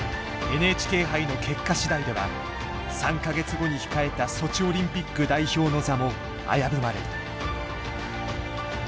ＮＨＫ杯の結果次第では３か月後に控えたソチオリンピック代表の座も危ぶまれる。